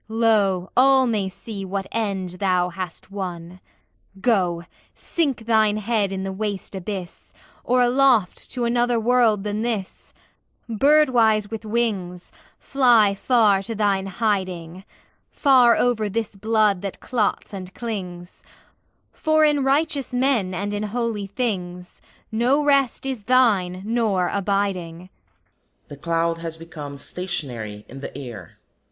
Lo, all may see what end thou hast won! Go, sink thine head in the waste abyss; Or aloft to another world than this, Birdwise with wings, Fly far to thine hiding, Far over this blood that clots and clings; For in righteous men and in holy things No rest is thine nor abiding! [_The cloud has become stationary in the air.